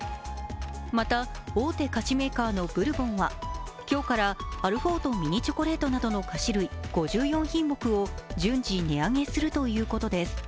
また、大手菓子メーカーのブルボンは、今日からアルフォートミニチョコレートなどの菓子類５４品目を順次値上げするということです。